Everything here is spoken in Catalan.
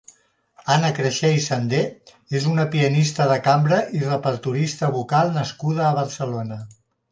Anna Crexells Sender és una pianista de cambra i repertorista vocal nascuda a Barcelona.